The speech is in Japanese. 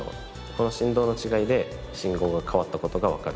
この振動の違いで信号が変わった事がわかる。